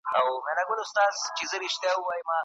هغه پرېکړي چي په احساساتو وولاړي وي پایلي یې خرابې وي.